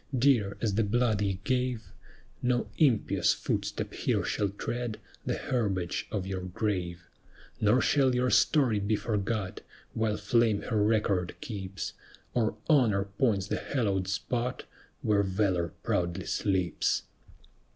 Dear as the blood ye gave, No impious footstep here shall tread The herbage of your grave; Nor shall your story be forgot, While Fame her record keeps, Or Honor points the hallowed spot Where Valor proudly sleeps.